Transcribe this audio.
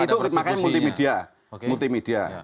itu makanya multimedia